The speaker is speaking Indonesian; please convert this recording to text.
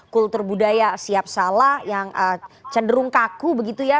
kultur budaya siap salah yang cenderung kaku begitu ya